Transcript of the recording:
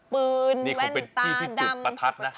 ปืนแว่นตาดำ